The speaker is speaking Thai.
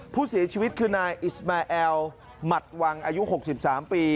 ผู้เสียชีวิตคือนายอิสมาแอลหมัดวังอายุ๖๓ปี